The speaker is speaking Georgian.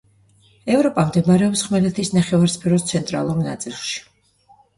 ევროპა მდებარეობს ხმელეთის ნახევარსფეროს ცენტრალურ ნაწილში.